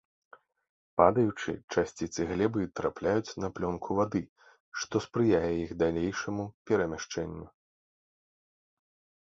Падаючы, часціцы глебы трапляюць на плёнку вады, што спрыяе іх далейшаму перамяшчэнню.